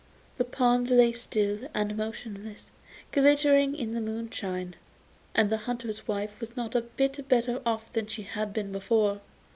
The pond lay still and motionless, glittering in the moonshine, and the hunter's wife was not a bit better off than she had been before.